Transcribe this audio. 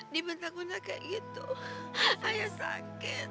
dibentak bentak kayak gitu ayah sakit